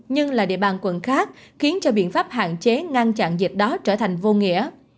nhưng là địa bàn quận khác khiến cho biện pháp hạn chế ngăn chặn dịch đó trở thành vô nghĩa